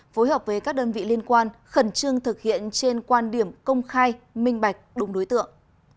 phối hợp với các đơn vị liên quan khẩn trương thực hiện trên quan điểm công khai minh bạch đúng đối tượng